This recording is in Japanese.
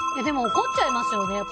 でも、怒っちゃいますよね。